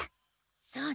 そうね。